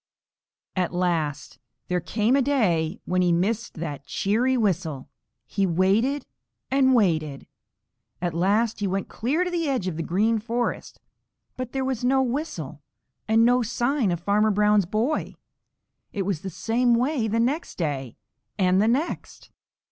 At last there came a day when he missed that cheery whistle. He waited and waited. At last he went clear to the edge of the Green Forest, but there was no whistle and no sign of Farmer Brown's boy. It was the same way the next day and the next.